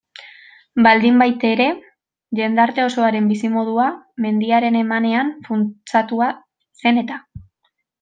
Baldinbaitere, jendarte osoaren bizimodua mendiaren emanean funtsatua zen eta.